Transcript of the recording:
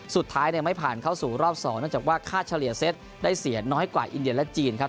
สุดท้ายไม่ผ่านเข้าสู่รอบ๒เนื่องจากว่าค่าเฉลี่ยเซตได้เสียน้อยกว่าอินเดียและจีนครับ